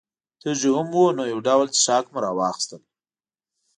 تږي هم وو، نو یو ډول څښاک مو را واخیستل.